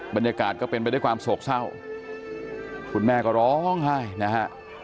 บรรยากาศก็เป็นไปด้วยความโศกเศร้าคุณแม่ก็ร้องไห้นะฮะ